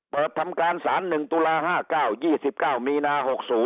เปิดทำการศาล๑ตุลา๕๙๒๙๖๐